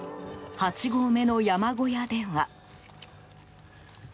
８合目の山小屋では。